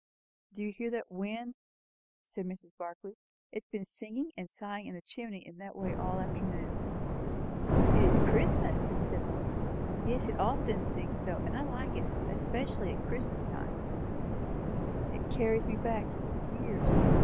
"Do you hear that wind?" said Mrs. Barclay. "It has been singing and sighing in the chimney in that way all the afternoon." "It is Christmas," said Lois. "Yes, it often sings so, and I like it. I like it especially at Christmas time." "It carries me back years.